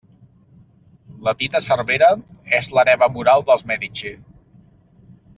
La Tita Cervera és l'hereva moral dels Medici.